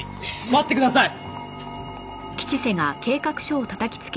待ってください！